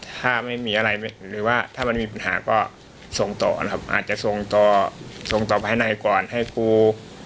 ถ้ามีปัญหาก็ส่งโตะส่งเราต่อภายในก่อนให้คุณ